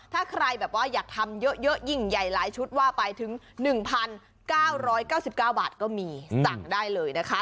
ถ้าใครแบบว่าอยากทำเยอะยิ่งใหญ่หลายชุดว่าไปถึง๑๙๙๙บาทก็มีสั่งได้เลยนะคะ